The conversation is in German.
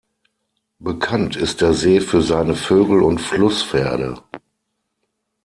Bekannt ist der See für seine Vögel und Flusspferde.